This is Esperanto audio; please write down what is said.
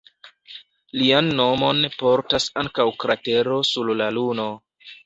Lian nomon portas ankaŭ kratero sur la Luno.